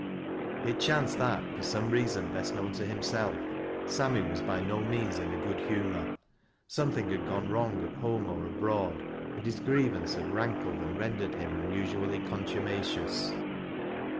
It chanced that, for some reason best krown to himself Bftiflmy was by no ineuns in a good humor. Somoth'ng 210 THAT LASS 0' LOWSISTS. had gone wrong at home or abroad, and his grievance had rankled and rendered him unusually contumacious.